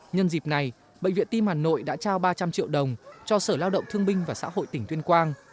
nhân dịp này bệnh viện tim hà nội đã trao ba trăm linh triệu đồng cho sở lao động thương binh và xã hội tỉnh tuyên quang